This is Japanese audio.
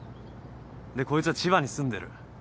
でこいつは千葉に住んでる。